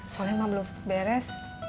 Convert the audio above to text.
soalnya mak belum sempat beres